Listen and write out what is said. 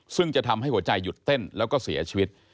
ซึ่งจะทำให้หัวใจหยุดเต้นแล้วก็เสียชีวิต